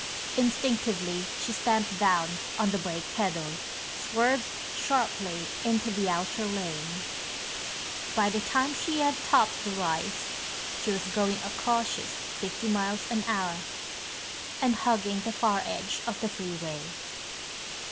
Instinctively, she stamped down on the brake pedal, swerved sharply into the outer lane. By the time she had topped the rise, she was going a cautious 50 miles an hour and hugging the far edge of the freeway.